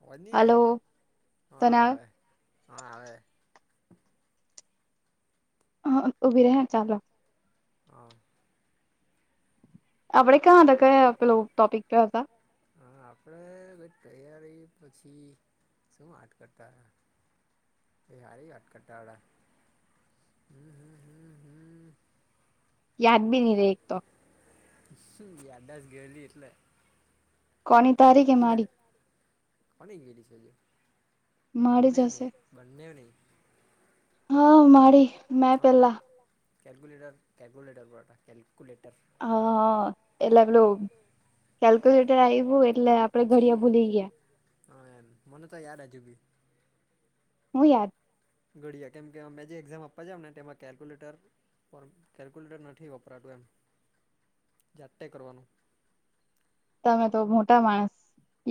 અવાજ ની આવે હા આવે આવે હા આવે હ ઉભી રે ચાલુ રાખ હા આપડણે ક્યાં હતા કયા આપેલું ટોપિક પર હતા? હા આપણે તૈયારી પછી શું હટ કરતા? એ હારી હટ કટળ હ હ. યાદ બી નહી ર રહે એક તો. યાદ જ ગયેલી એટલે. કેમપ કુલેટ કોણ [unintelligible] છે બનને ને બનને હા મળી હા આપણે કેલ્ક્યુલેટર કેલ્ક્યુલેટર પર હતા કેલ્ક્યુલેટર હ એટલે પેલું કેલ્ક્યુલેટર આવ્યું એટલે આપડે ઘડિયા ભૂલી ગયા હા એમ મને તો યાદ હજુ બી હું યાદ ઘડિયા કેમ કે અમે જે એક્ઝામ આપવા જમ ને તેમાં કેલ્ક્યુલેટર કેલ્ક્યુલેટર નથી વપરાતું એમ જાતેતે કરવાનું તમે તો મોટા માણસ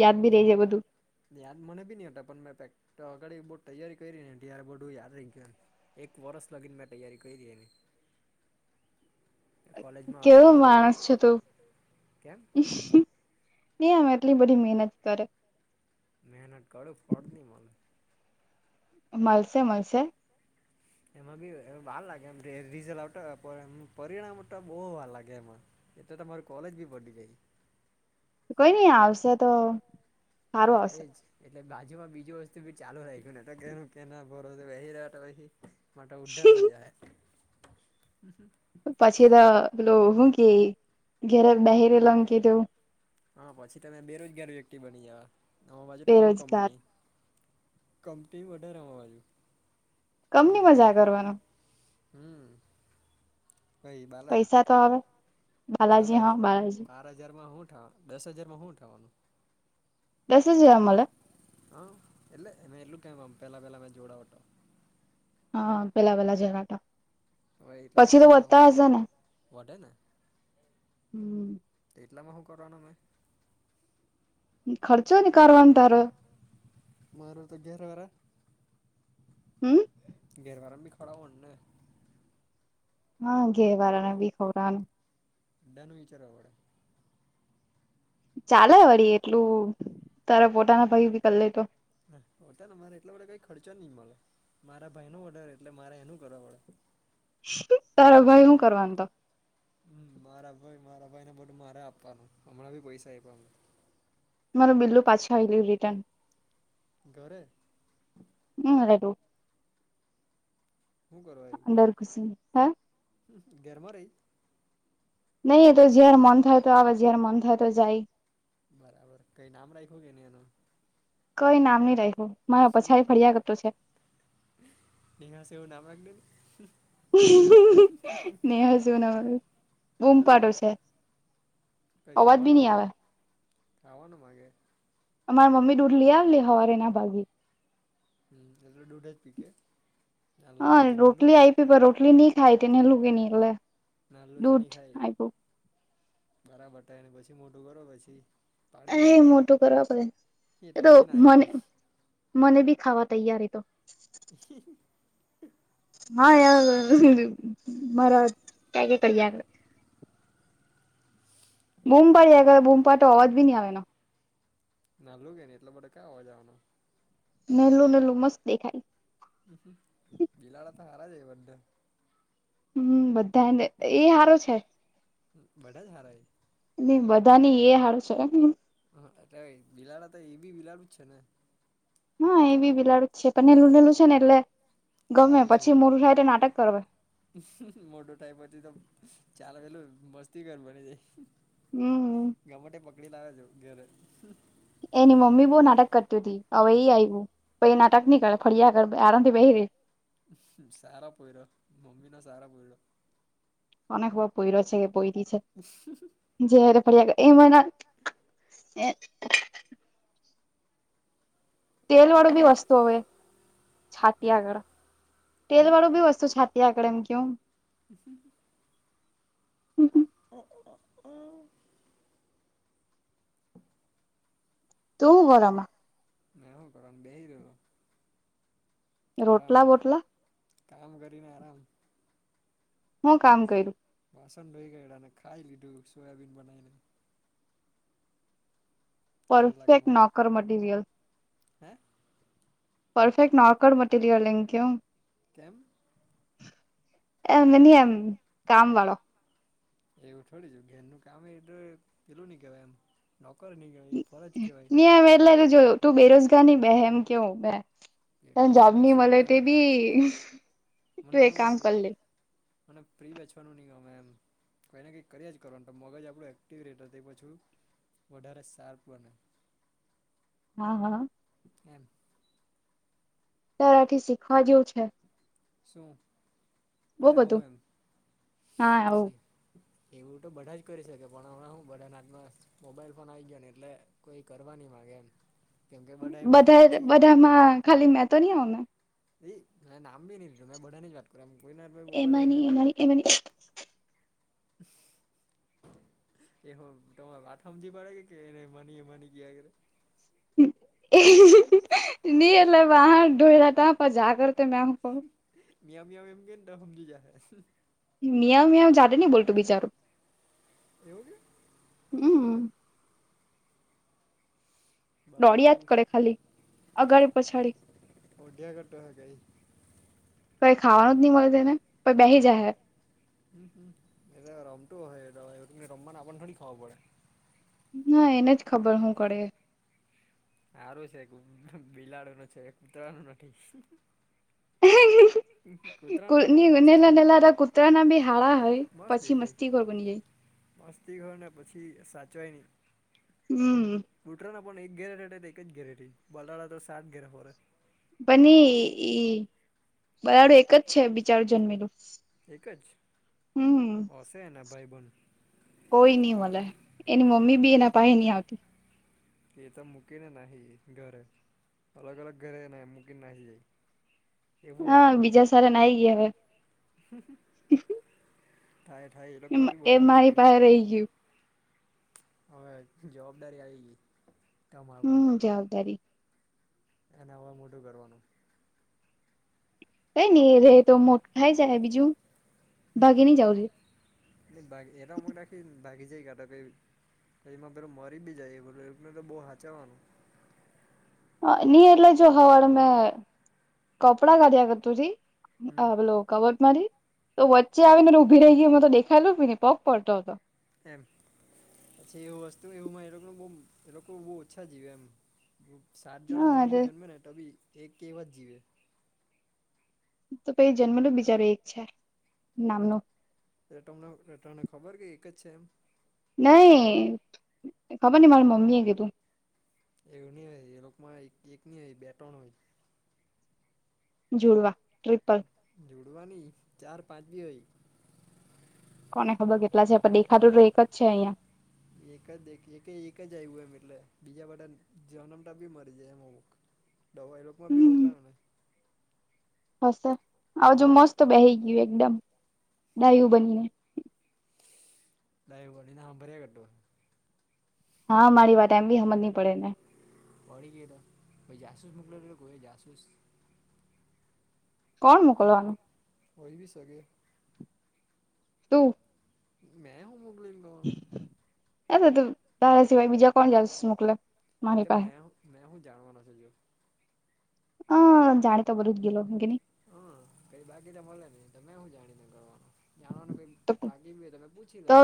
યાદ બી રહી જાય બધું યાદ મને બી ની હતા પણ મેં પ આગળી બો તૈયારી કરી ને તયારે બધુ યાદ રહી ગયુંને એક વરસ લગીને મેં તૈયારી કરી એની [unintelligible] કેવો માણસ છે તું કે એમ આટલી બધી મહેનત કરે મહેનત કરો ફળ ની મળે માલશે મલશે એમાં બી વા લાગે એમ રિઝલ આવતા પરિણામ તો બહુ વાર લાગે એમાં એટ તો તમારી કોલેજ બી પટી જાય કોઈ નઈ આવશે તો એ છે એટલે બાજુમાં બીજું વસ્તુ બી ચાલુ રાખયુ નેતો ઘરે કે કેના ભરોસે બેહી રેવા માતો ઉધાર થઈ જ હે પછી તો પેલો હું કે ઘરે બેહીરેલો એમ કે એવું હા પછી તમે બેરોજગાર વ્યક્તિ બની જવા આ બાજુ જતો બો કંપની કંપની વધારે આ બાજુ ડુંગરીમાં હમ પૈસા તો આવે બાલ જ બાર હજારમાં હુ ધવ દસ હજારમાં હુ થવાનું દસે જેવા મલે હા એટલે એટલું કેમ પેલા પેલા મે જોડાવા તો હા પેલા પેલા જોડાવ તો હવે એટલા માટે હુ થાવ વધે ને તો એટલામાં હું કરવાનો મેં ખર્ચો ની કરવાનું તારે મારુ તો ઘેરવા ઘરવાળા બી ખ [unintelligible] હા ઘેરવાના બી ખવરાવાનું બધાનું વિચારવું પડે ચાલે વળી એટલું તારા પોતાના ભાઈ ભી કરી લેતો હ હોતે ને મારે એટલા બધો કઈ ખર્ચા ની મળે મારા ભાઈ નો ઓર્ડર એટલે મારે એનું કરવા પડે તારા ભાઈ શું કરવાનું તો હમ મારા ભાઈ મારા ભાઈ ને બધું મારે આપવાનું હમણાં ભી પૈસા આપવા માર બિલું પાછું આવયુ રિટર્ન ઘરે [unintelligible] શું કરવા એવી ઘેરમાં રેહય નહી તો જયારે મન થાય તો આવે જયારે મન થાય તો જાય બરાબર કઈ નામ રાખ્યું કે નને એનું કઈ નામ નની રહ્યું મા પછા ફરિયા ગતું છે દહ છેવ નાભાગ દ ન જ ના બોમ પાડર છે કઈ ખાવાનું માગે ખાવાનું માગે અમારે મમ્મી દૂર લઈ આવ લ હવારે એના ભાગી હમ એ દુડ હ પીકેે હા રોટલી આપી પણ રોટલી નઈ ખાય તેને લૂ કે નહ એટલે નાલોટ નહી ખાય બરાબર થાયને પછી મોટું કરો પછી અરે મોટું કરવા પડે એ તો મને મને બી ખાવા તૈયારી તો હ હા મરત ક્યા ક કરીળ બૂમ ભારી બમ ભાટ તો અવાજ નહી આવેના નાલું કે ને એટલે બડે ક હોવાજવાનું નહેલું નહેલું મસ્ત દેખાય બિલાડા તો સારા જ બધા હમ બધાને એ સારો છે વઢ્યા જારા એ એ બધા ની એ હાડ છે હા એટલે બિલાડા તો એ બી બિલાડું જ છે ને હા એ બ બિલાડ જ છે પણ નેલું નેલું છે ને એટલે ગમે પછી મોરું થાયટ નાટક કર મોટો ટાઈપ પથી તો ચાલ પેલું મસ્તી કરર બની જાય હમ ગમે પકડી લાવે છો ઘરે એની મમ્મી બહુ નાટક કરતી હતી હવે એ આવ્યું પછ નાટક નીકળે ફળિયાળ આરામથી બે ર સારા પોયડ મમી ના સારા પોયડ અક વર પઈ ર છે કે બઈ દ છે જરે ફરિયા એમાં ના તેલ વાળું બી વસ્તુ હવે છાતી આગળ તેલ વાળું બી વસ્તુ છાતી આગળ એમ કે [inaudible] હ તું ગરમાં ના હ કરમ બે રહ આરામ કામ કરીને આરામ હું કામ કર્યું બાસણ ધોઈ ગે ને ખાઈ લીધું સોયાબીન બનાવીને પરફેક્ટ નોકર મટીરિયલ હે પરફેક્ટ નર્કર મટીરિયલ કુ અ મન એમ કામ વાળા એવું થોડી છે ઘેરનું કામ એટ પેલું નહી કેવાય એમ. નોકર નહીં કહેવાય એ ફરજ કહેવાય. મ એટલે જોય તું બેરોજગાર ની બેહમ એમ કેવું બે. ત જબની મળલે તે ભી મને મને પ્રી વચવાનું નહી કહ એમ કંઈ ને કંઈ કરી જ કરવાોને તો મગજ આપણું એક્ટિવેરેટર છે પછું વધારે શાર્પ બને હા હા એમ. તરાથી શીખવા જેવું છે. શું એટલે આવું એમ. એવું તો બધા જ કરી શકે પણ હણા હું બધા ના હાથ માં મોબાઈલ ફોન આવી ગયો ને એટલે કોઈ કરવાની માગે એમ. બધા બધામાં ખાલી મે તો નહીં આવને. એ મે નામ બી નઈ લીધું મેં બધા ની જ વાત કર કોઈ ના મોબાઈલ હોય ન તો. હ. કેવો તર વાથહમજી પાડે ગ કે એને મન મની ગયા ગેલે હ હ ની એ્તા જા કર મ્યા મ્યામ એમ કે તો સમજી જાહે. મિયા મિયામ જાદે નની બોલતો વિચારું. એવું કે. હમ. દોડિયા જ કરે ખાલી અગાડી પછાડી. ઓઢિયા ઘટો હે ગઇ જ કઈ ખાવાનું જ નહી મળે તેને પહી બેસી જાય હે. હ હ એટલે રમતું હ રમવા આપણને થોડી ખવા પડે. ના એને જ ખબર હું કરે. સારું છે બિલાડો ન છે કૂતરાનું નથી. હ. ની નેલા નેલા કૂતરા ના બી હાળા હોય પછી મસ્તી ખોરર બની જાય. મસ્તી ખોર ને પછી સાચવાય નહી પણ લુટન [unintelligible] પણ એક ઘેરે એક જ ઘેરે રહી બલાડા તો સાત ઘેરે ફર બને એ બરાડું એક જ છે બિચારું જન્મેલું હમ. છેને ભાઈ બંધ. કોઈ નઈ મલે એની મમ્મી બી એના પાહે નહી આવતી. એ તો મુકીન નહી ઘરે. અલગ અલગ ઘરે ને મુંકી નાહી જાય. એવું હોય લોકો થાય થાય એલોક માં બી બધો આવી શકે. રહી ગયું. હવે જવાબદારી આવી ગઈ. હમ જવાબદારી. અનેને આવા મોટું કરવાનું. કઈ ને રે તો મોટ ખાઈ જાય બીજું હું ભાગી નઈ જવું જોઈએ. બાકી એટ અને રાખી બાકી જાય કાઢ પહ તો એમાં પેલો મરી બી જાય એ બલો એને તો બહુ હંચાવવાનું. નઈ એટલે જો હવાળ મેં કપડાં કાઢ્યા કર તું જ. આવલો કબટ મારી. તો વચ્ચે આવી ને ઉભી રહી ગઈ એ તો દેખાયેલું ભીને પગ પડતો હતો. એમ પછી એવું વસ્તુ એવુંમાં એ લોકો બહુ એ લોકો બહ ઓછા જીવે એમ. સાત જણ આનેમાં જન્મે ને તોભી એક એક વાત જીવે. તો પ જન્મલો બિજારો એક છે, નામનો. રટો રટોને ખબર કે એક જ છે એમ. નહી ખબર ની મારી મમ્મીએ કે તું. એવું ન હોય એ લોકમાં એકક ની હોય બે ટન હોય. જોડવા ટ્રિપ. જોડવાની ચાર પાંચ બી હોય. કોને ખબર કેટલા છે પણ દેખાતું તો એક જ છે અહિયાં. એક જ એક એક જ આવ્યું એમ એટલે બીજા બધા જન્મતા બી મરી જાય એમુક. દવા એકમાં બી રોગ ને. હ સર આજુ મસ્ત બેહી ગયું એકદમ. લાઈ ભલી ના હ ભર્યા કો. હા મારી વાત એમ બી સમ જ નં પડે ને. પડી ગે તો કો જાસૂસ મકલે કો જાસૂસ. કોણ મોકલવાનું. હોહી બ સકે. ટું મેં હુંમગલી ગર. એું ધારા સિવાય બીજા કોણ જા મકલે માની પાસે. હ જાણી તો બધુ જ ગેલોકી ન. હા કઈ બાકી તો મળે ન તમે શું જાણીને ગણનું. નાણો ને ભ બાકી બી હોય તમે પૂછી લેમ.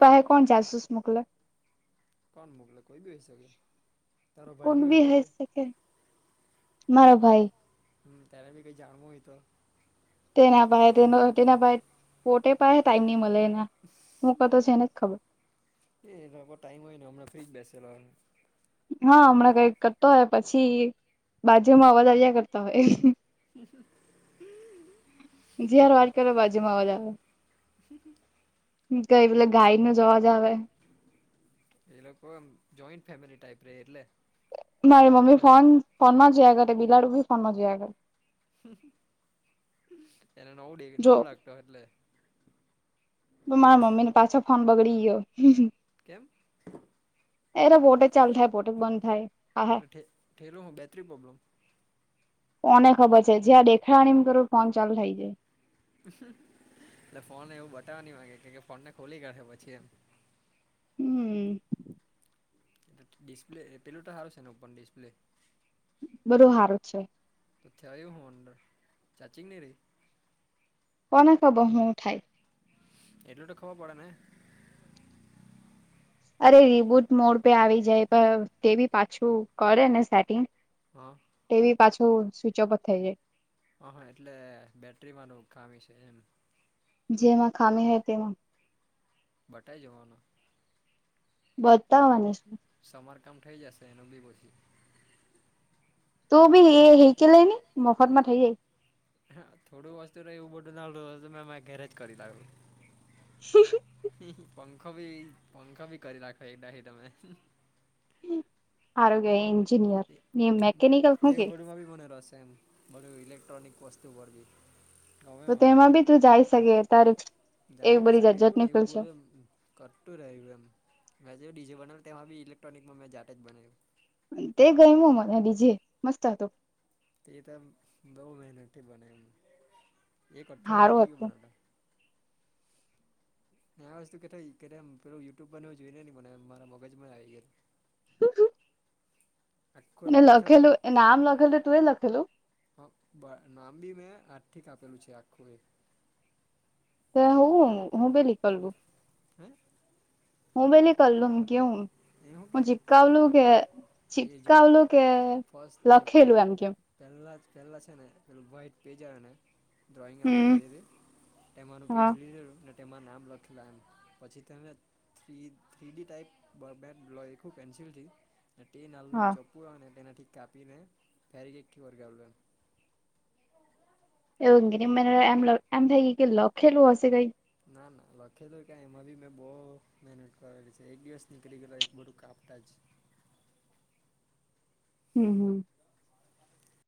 પહે કોણ જાસુસ મુકલ. કોણ મોકલે કોઈ બી હોઈ શકે. તારો ભાઈબ હો શે. હમ ત્યારે બી કંઈ જાણવું હોય તો. તેના ભાઈ તેનો તેના ભાઈ પોટે પસે ટાઈમ નહી મળે એના. એ એ ટાઈમ હોય ન અણા ફિજ બેસે લો અહે. હા હમણાં કઈક કરતો હોય પછી બાજુમાં અવાજ આવયા કરતા હોય. [unintelligible] કઈ બલે ગાય નો જવાજ આવે. એ લોકો જોઈન્ટ ફેમિલી ટાઈપ રે એટલે. મારે મમ્મી ફોન ફોનમાં જયા કર બિલાડું બી ફોનમાં જયા કર. હ. [unintelligible] એને નવ નવ લાગતો એટલે. તો મારા મમ્મી ને પાછા ફોન બગડી ગયો. કેમ? ઠેરો હ બેટરી પ્રોબ્લેમ. કોને ખબર છે જ્યાં દેખાણી કર ફોન ચાલુ થઇ જાય. એટલે ફોનને એવું બતાવા નની વાગે કે ફોન ને ખોલી કરશે પછી એમ. હમ. એટ ડિસપ્લે એપલટ હારું છેને પણ પણ ડિસપ્લે? બરો હારું છે. ત થ્યાય ફોન અર ચચિંગ ન રહે? કોને ક બ હું થાય. એટલું તો ખબર પડે ને. અરે રીબુટ મોડ પે આવી જાય પણ તે બી પાછું કરે ને સેટિંગ હા. એ બી પાછું સ્વચ ઓપ થઈ જાય હ હા એટલે બેટરી વાનું ખામી છે એમ જેમાં ખામી હોય તેમાં બટાઇ જોવાનો. બતાવાની છે. સમારકામ થઇ જશે એનું બી પછી. તું બ એ હે કે લ ને મુખતમાંત હય એ. હા થોડું વસ્તુ ર એવું બધું ના મેં ઘેરે જ કરી દ્યું. શિશુ [unintelligible] પંખો ભી પંખો ભી કરી રાખો એકદા હ તમે. આરોગ્ય. એવું બડમાં ભી મને રહ છે એમ બધું ઇલેક્ટ્રોનિક વસ્તુ વગેરે તો તેમાં બી તું જઈ શકે અ ત્યારે જાય નહી શકે એવું નને એવું બોલું એમ કરતું રહ્યું એમ મે જે ડીજે બનાવ તેમાં બી ઇલેક્ટ્રોનિકમાં મેં જાટે જ બનાવ્યું. તે ગયમ મને બીજે મસ્ત હતો તે તો બવ મહિનથી બને એ એક અઠડું લાગી ગયયો મને. આ વસ્તુ કે કે પેલ યુટ્યુબ બને જોઈને ને મનેરા મજમાં આવી ગયુ હમ હમ એને લખેલું એ નામ લખેલું તું એ લખેલું. હા નામ બી મેં આર્થીક આપેલું છે આખું ને. તે હું હું બે કલું હું બેલીકલમ કેવું. હું ચીકાાવલું કે ચકાાવલું કે લખેલું એમ કે પેહલા પેલા છે ને પેલું વ્હાઈટ પે જ આવે ને ડ્રોઈંગ આપડે કરી ર એમાંનું પેજ લીધેલું. તેમાં નામ લખેલા એમ પછી તેમે થ્રી થ્રી ડી ટાઈપ બ બેખું પેન્સિલ થી તે નલ ચો પૂરો અને તેનાને ઠીક કાપીને ફેરી કઈ વરગ લમ એવું અંગ ન મ એમ એમ થાય ગય કે લખેલું હશે કઈક. ના ના લખે તો ક્યા એમાં ભી મેં બહુ મહેનત કરેલી છે એક દિવસ નીકળી ગયો એક બધું કાપતા જ. હમ હમ.